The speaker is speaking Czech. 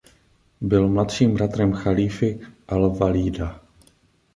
Byl mladším bratrem chalífy al–Valída.